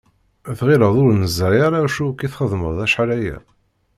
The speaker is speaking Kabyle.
Tɣilleḍ ur neẓri ara acu akk i txeddmeḍ acḥal aya?